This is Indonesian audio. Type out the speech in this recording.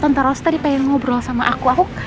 ada es krim gak ya